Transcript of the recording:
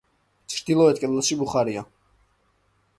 ჩრდილოეთ კედელში ბუხარია.